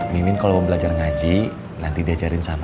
mimin kalau mau belajar ngaji nanti diajarin sama